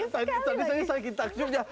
tadi saya bikin takjub ya